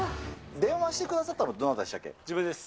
電話してくださったのどなた自分です。